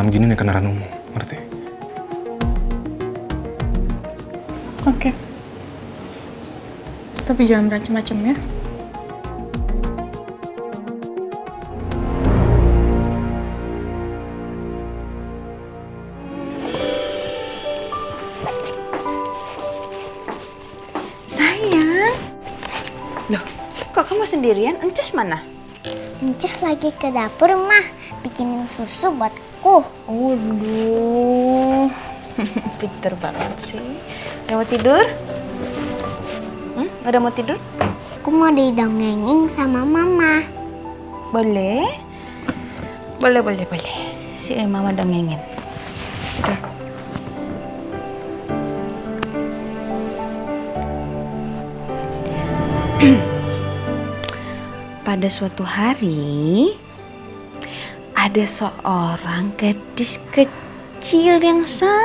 aku mengangkat siang